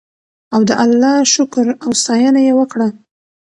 او د الله شکر او ستاینه یې وکړه.